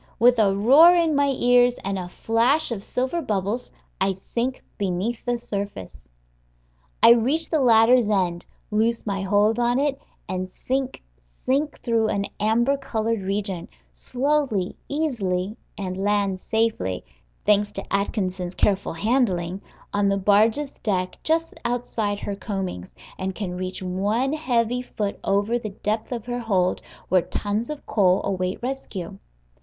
With a roar in my ears, and a flash of silver bubbles, I sink beneath the surface; I reach the ladder's end, loose my hold on it, and sink, sink through an amber colored region, slowly, easily, and land safely (thanks to Atkinson's careful handling) on the barge's deck just outside her combings, and can reach one heavy foot over the depth of her hold, where tons of coal await rescue.